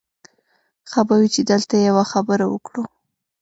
ښه به وي چې دلته یوه خبره وکړو